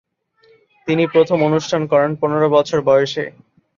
তিনি প্রথম অনুষ্ঠান করেন পনের বছর বয়সে।